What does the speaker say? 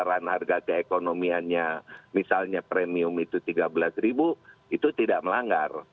kalau nanti dipasaran harga keekonomiannya misalnya premium itu rp tiga belas itu tidak melanggar